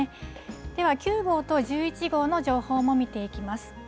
では９号と１１号の情報も見ていきます。